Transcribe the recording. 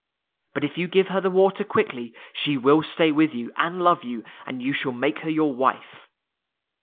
But if you give her the water quickly, she will stay with you, and love you, and you shall make her your wife."